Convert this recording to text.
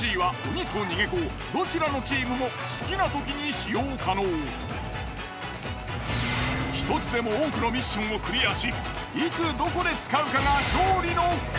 チェックポイントで１つでも多くのミッションをクリアしいつどこで使うかが勝利の鍵。